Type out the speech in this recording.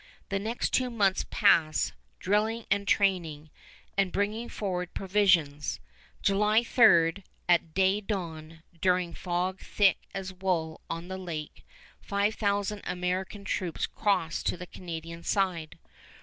The next two months pass, drilling and training, and bringing forward provisions. July 3, at day dawn, during fog thick as wool on the lake, five thousand American troops cross to the Canadian side.